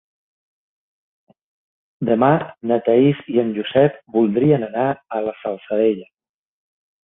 Demà na Thaís i en Josep voldrien anar a la Salzadella.